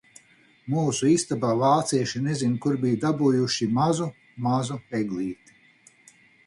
Mūsu istabā vācieši nezin kur bija dabūjuši mazu, mazu eglīti.